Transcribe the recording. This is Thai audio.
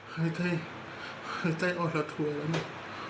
หายใจหายใจอ่อนละทวยแล้วเนี่ย